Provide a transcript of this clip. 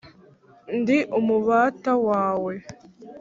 ndi umubata wawe.